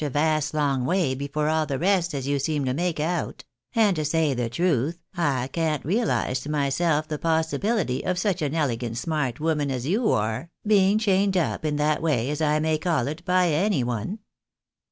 a vast long way before all the rest as you seem to make out, and, to say tlie truth, I can't realise to myself the possibility of such an elegant smart woman as you are, being chained up in that way, as I may call it, by any one.